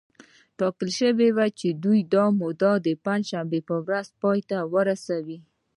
ټاکل شوې وه چې دا موده د پنجشنبې په ورځ پای ته ورسېږي